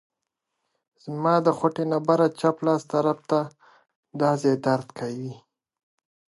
که ښځې خندرویه وي نو ژړا به نه وي.